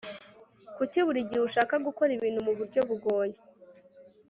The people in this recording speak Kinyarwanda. Kuki buri gihe ushaka gukora ibintu muburyo bugoye